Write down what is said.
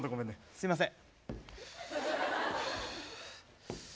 すいません。